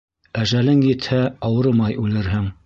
Әжәлең етһә, ауырымай үлерһең.